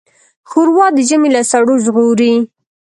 ښوروا د ژمي له سړو ژغوري.